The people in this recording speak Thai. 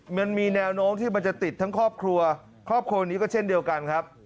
มันมีแนวโน้มที่มันจะติดทั้งครอบครัวครอบครัวนี้ก็เช่นเดียวกันครับ